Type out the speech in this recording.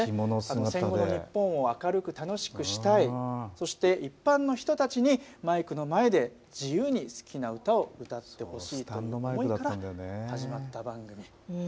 戦後の日本を明るく楽しくしたい、そして一般の人たちにマイクの前で自由に好きな歌を歌ってほしいという思いから始まった番組。